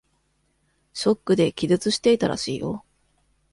ショックで気絶していたらしいよ。